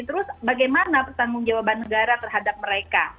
terus bagaimana pertanggung jawaban negara terhadap mereka